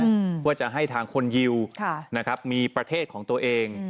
เพื่อจะให้ทางคนยิวมีประเทศของตัวเอง